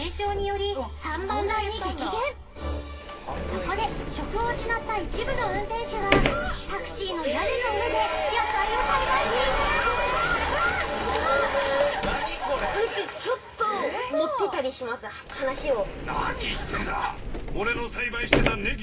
そこで職を失った一部の運転手はタクシーの屋根の上で野菜を栽培していた話を。